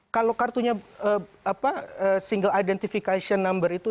kalau kartunya single identification number itu